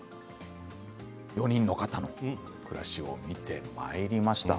４人の方の暮らしを見てまいりました。